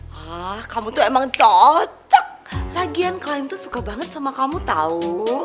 wah kamu tuh emang cocok lagian klien tuh suka banget sama kamu tau